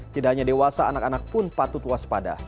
tidak hanya dewasa anak anak pun patut waspada